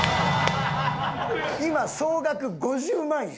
今総額５０万円。